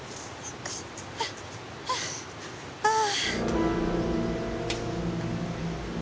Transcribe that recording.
ああ。